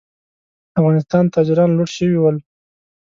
افغانستان تاجران لوټ شوي ول.